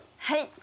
はい。